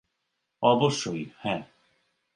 অবশ্যই, হ্যাঁ।